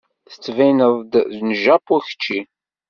Tettbineḍ-d n Japu kečči.